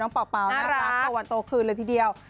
น้องป่าวนะครับประวัติโตขึ้นเลยทีเดียว